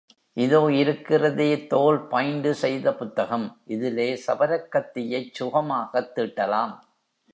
இதோ இருக்கிறதே தோல் பைண்டு செய்த புத்தகம், இதிலே சவரக் கத்தியைச் சுகமாகத் தீட்டலாம்.